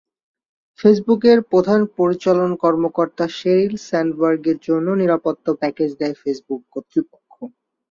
ফেসবুকের প্রধান পরিচালন কর্মকর্তা শেরিল স্যান্ডবার্গের জন্য নিরাপত্তা প্যাকেজ দেয় ফেসবুক কর্তৃপক্ষ।